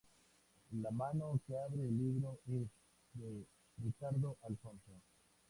La mano que abre el libro es de Ricardo Alfonso.